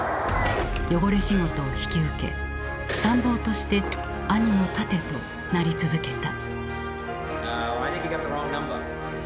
汚れ仕事を引き受け参謀として兄の盾となり続けた。